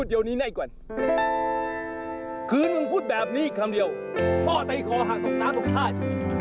ด้วยกลุ่มเข้ามาถูกกันกับคุณคุณพวกนาย